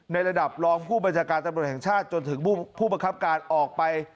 ระดับรองผู้บัญชาการตำรวจแห่งชาติจนถึงผู้บังคับการออกไป